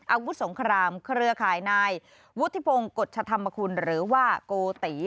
อาวุธสงครามเครือข่ายนายวุฒิพงศ์กฎชธรรมคุณหรือว่าโกติ